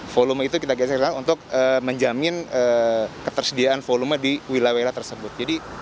volume itu kita geserkan untuk menjamin ketersediaan volume di wilayah wilayah tersebut